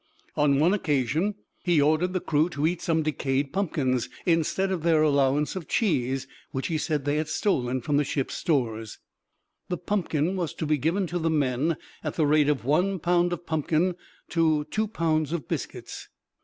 On one occasion he ordered the crew to eat some decayed pumpkins, instead of their allowance of cheese, which he said they had stolen from the ship's stores. The pumpkin was to be given to the men at the rate of one pound of pumpkin to two pounds of biscuits.